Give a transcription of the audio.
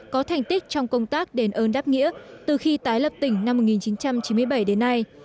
có thành tích trong công tác đền ơn đáp nghĩa từ khi tái lập tỉnh năm một nghìn chín trăm chín mươi bảy đến nay